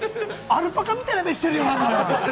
アルパカみたいな目をしているよ。